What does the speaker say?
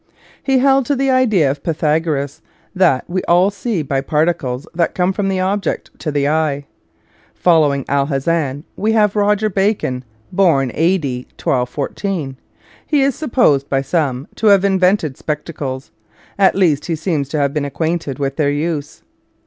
He held to the idea of Pytha goras, that we all see by particles that come from the object to the eye. Following Alhazen, we have Roger Bacon, born a.d. 1214. He is supposed by some to have invented spectacles ; at least he seems to have been acquainted with their use.